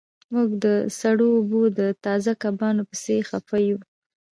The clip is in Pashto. موږ د سړو اوبو د تازه کبانو پسې خفه یو